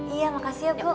iya makasih ya bu